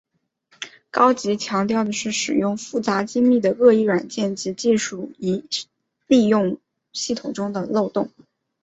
高级强调的是使用复杂精密的恶意软件及技术以利用系统中的漏洞。